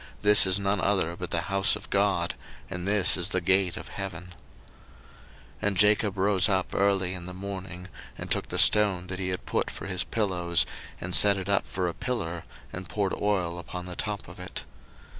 this is none other but the house of God, and this is the gate of heaven. 01:028:018 And Jacob rose up early in the morning, and took the stone that he had put for his pillows, and set it up for a pillar, and poured oil upon the top of it.